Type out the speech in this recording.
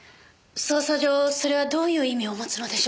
捜査上それはどういう意味を持つのでしょう？